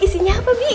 isinya apa bi